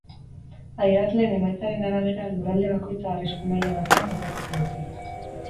Adierazleen emaitzaren arabera, lurralde bakoitza arrisku maila batean kokatuko dute.